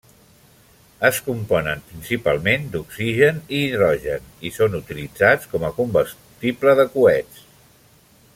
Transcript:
Es componen principalment d'oxigen i hidrogen i són utilitzats com a combustible de coets.